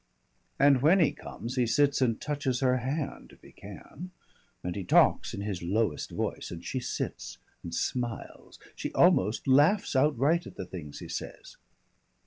"And when he comes he sits and touches her hand if he can, and he talks in his lowest voice, and she sits and smiles she almost laughs outright at the things he says."